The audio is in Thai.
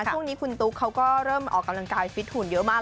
ช่วงนี้คุณตุ๊กเขาก็เริ่มออกกำลังกายฟิตหุ่นเยอะมาก